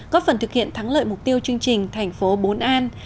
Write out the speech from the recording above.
góp phần thực hiện thắng lợi mục tiêu chương trình thành phố bốn an